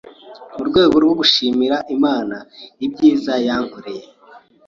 mu rwego rwo gushimira Imana ibyiza yabakoreye.